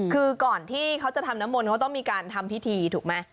คือก่อนที่เขาจะทำน้ำมนต์เขาต้องมีการทำพิธีถูกไหม